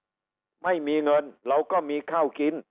ข้าวกินไม่มีเงินเราก็มีข้าวกินแต่วันนี้มีคนไทยอีก